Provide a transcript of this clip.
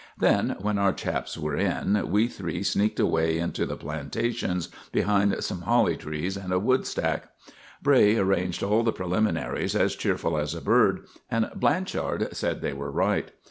Then, when our chaps were in, we three sneaked away into the plantations, behind some holly trees and a woodstack. Bray arranged all the preliminaries as cheerful as a bird, and Blanchard said they were right.